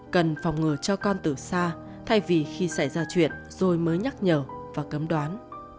cần phòng ngừa cho con từ xa thay vì khi xảy ra chuyện rồi mới nhắc nhở và cấm đoán